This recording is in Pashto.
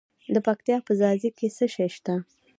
د پکتیا په ځاځي کې څه شی شته؟